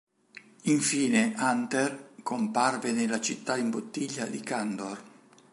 Infine, Hunter comparve nella città in bottiglia di Kandor.